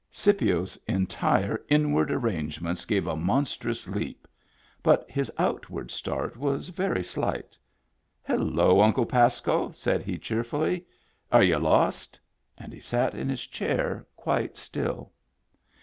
Scipio's entire inward arrangements gave a monstrous leap, but his outward start was very slight. "Hello, Uncle Pasco!" said he cheer fully. " Are y'u lost ?" And he sat in his chair quite still.